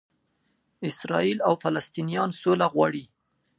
اسراییل او فلسطنینان سوله غواړي.